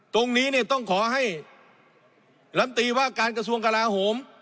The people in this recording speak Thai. ตรงนี้เนี่ยต้องขอให้ลำตีว่าการกระทรวงกลาโหม